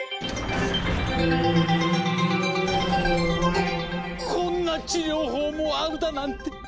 ここんな治療法もあるだなんて！